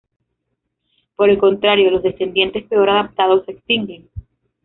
Por el contrario, los descendientes peor adaptados se extinguen.